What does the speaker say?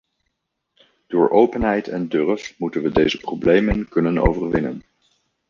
Door openheid en durf moeten we deze problemen kunnen overwinnen.